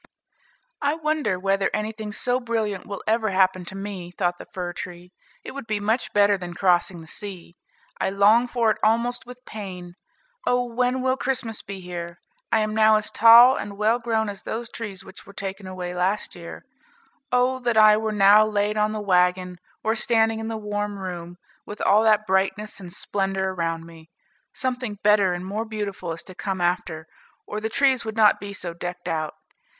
"I wonder whether anything so brilliant will ever happen to me," thought the fir tree. "It would be much better than crossing the sea. I long for it almost with pain. Oh! when will Christmas be here? I am now as tall and well grown as those which were taken away last year. Oh! that I were now laid on the wagon, or standing in the warm room, with all that brightness and splendor around me! Something better and more beautiful is to come after, or the trees would not be so decked out.